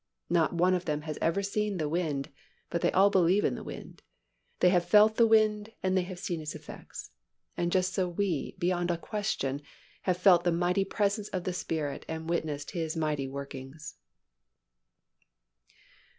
Not one of them has ever seen the wind but they all believe in the wind. They have felt the wind and they have seen its effects, and just so we, beyond a question, have felt the mighty presence of the Spirit and witnessed His mighty workings.